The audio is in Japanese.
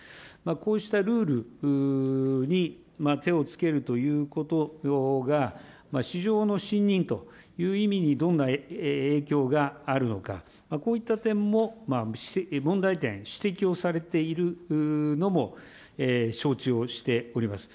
こうしたルールに手をつけるということが市場の信認という意味にどんな影響があるのか、こういった点も問題点、指摘をされているのも承知をしております。